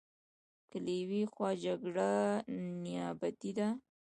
که له یوې خوا جګړه نیابتي ده.